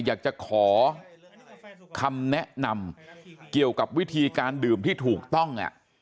อยากจะขอคำแนะนำเกี่ยวกับวิธีการดื่มที่ถูกต้อง